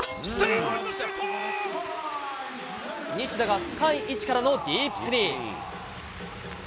西田が深い位置からのディープスリー。